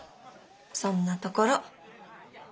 そんなところ。